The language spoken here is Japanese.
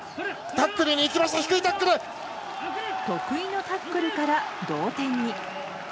得意のタックルから同点に。